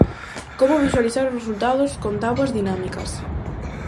Como visualizar os resultados con táboas dinámicas.